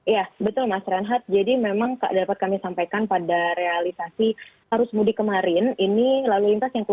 ya betul mas renhat jadi memang dapat kami sampaikan pada realisasi arus mudik kemarin